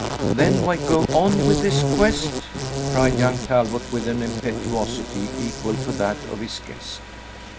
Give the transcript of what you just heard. "Then why go on with this quest?" cried young Talbot with an impetuosity equal to that of his guest.